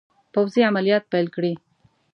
پوځي عملیات پیل کړي.